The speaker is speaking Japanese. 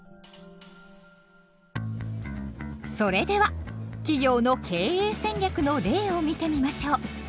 それでは企業の経営戦略の例を見てみましょう。